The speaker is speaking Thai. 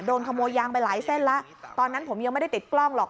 โดนขโมยยางไปหลายเส้นแล้วตอนนั้นผมยังไม่ได้ติดกล้องหรอก